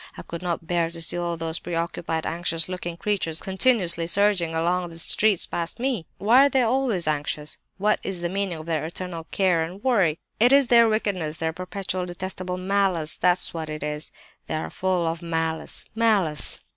I could not bear to see all those preoccupied, anxious looking creatures continuously surging along the streets past me! Why are they always anxious? What is the meaning of their eternal care and worry? It is their wickedness, their perpetual detestable malice—that's what it is—they are all full of malice, malice!